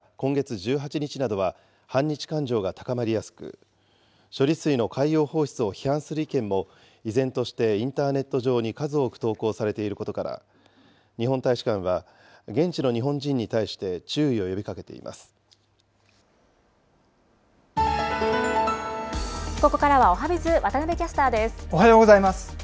ただ、満州事変の発端となった柳条湖事件が起きた今月１８日などは反日感情が高まりやすく、処理水の海洋放出を批判する意見も依然としてインターネット上に数多く投稿されていることから、日本大使館は、現地の日本人に対ここからはおはＢｉｚ、おはようございます。